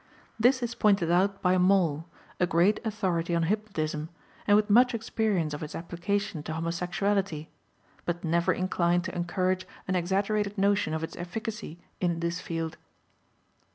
This is pointed out by Moll, a great authority on hypnotism, and with much experience of its application to homosexuality, but never inclined to encourage an exaggerated notion of its efficacy in this field.